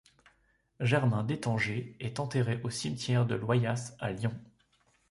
Germain Détanger est enterré au cimetière de Loyasse à Lyon.